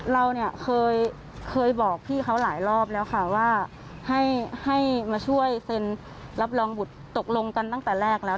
เราเนี่ยเคยบอกพี่เขาหลายรอบแล้วค่ะว่าให้มาช่วยเซ็นรับรองบุตรตกลงกันตั้งแต่แรกแล้ว